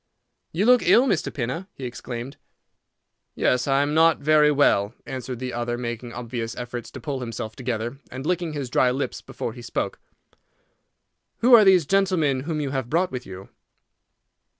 "You look ill, Mr. Pinner!" he exclaimed. "Yes, I am not very well," answered the other, making obvious efforts to pull himself together, and licking his dry lips before he spoke. "Who are these gentlemen whom you have brought with you?"